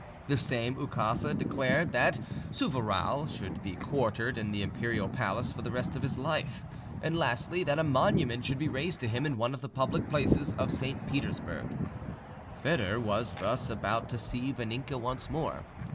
The same ukase declared that Souvarow should be quartered in the imperial palace for the rest of his life, and lastly that a monument should be raised to him in one of the public places of St. Petersburg. Foedor was thus about to see Vaninka once more.